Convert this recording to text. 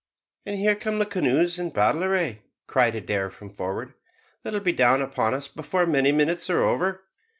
"And here come the canoes in battle array," cried Adair from forward. "They will be down upon us before many minutes are over."